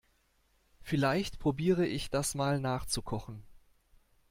Vielleicht probiere ich das mal nachzukochen.